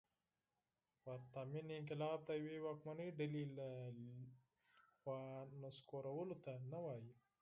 پرتمین انقلاب د یوې واکمنې ډلې له لوري نسکورولو ته نه وايي.